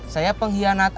saya pengkhianat apa